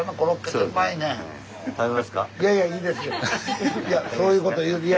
いやそういうこといや。